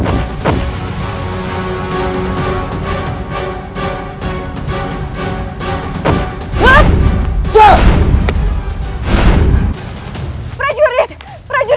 marinda ibu ngebantu